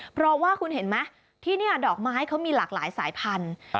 เพราะว่าคุณเห็นไหมที่นี่ดอกไม้เขามีหลากหลายสายพันธุ์